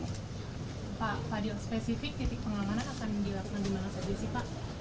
pak fadil spesifik titik pengamanan akan dilakukan di mana saja sih pak